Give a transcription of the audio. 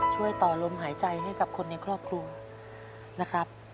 ช่วยต่อลมหายใจให้กับคนในครอบครัวนะครับ